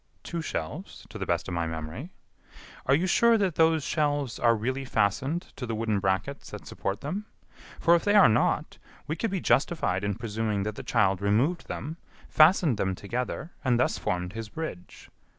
"Two shelves, to the best of my memory." "Are you sure that those shelves are really fastened to the wooden brackets that support them? For, if they are not, we could be justified in presuming that the child removed them, fastened them together, and thus formed his bridge.